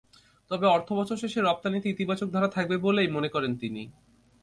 তবে অর্থবছর শেষে রপ্তানিতে ইতিবাচক ধারা থাকবে বলেই মনে করেন তিনি।